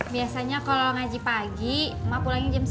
biasanya kalau ngaji pagi emak pulang jam sebelas